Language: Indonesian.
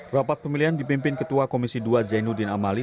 rapat pemilihan dipimpin ketua komisi dua zainuddin amali